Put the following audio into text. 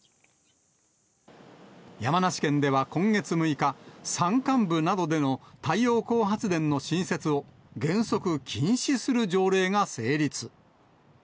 山梨県では今月６日、山間部などでの太陽光発電の新設を原則禁止する条例が成立。